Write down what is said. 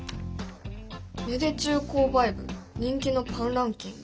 「芽出中購買部人気のパンランキング」？